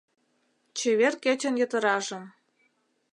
Чевер кечын йытыражым